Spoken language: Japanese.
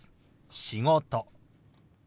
「仕事」。